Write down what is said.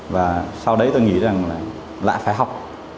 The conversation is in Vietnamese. và sau đấy tôi nghĩ rằng là lại phải học